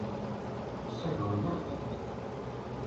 Nnṣib-iw, nniɣ-t-id.